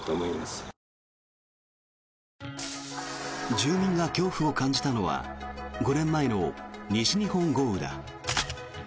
住民が恐怖を感じたのは５年前の西日本豪雨だ。